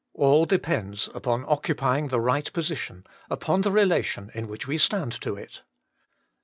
All depends upon occupying the right position, upon the relation in which we stand to it.